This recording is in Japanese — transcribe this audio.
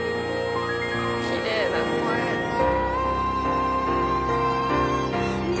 きれいな声。